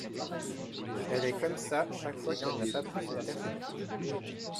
Elle est comme ça, chaque fois qu’elle n’a pas pris son café !